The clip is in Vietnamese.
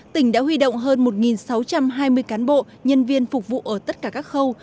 tỉnh đã huy động hơn một sáu trăm hai mươi cán bộ nhân viên phục vụ ở tất cả các khâu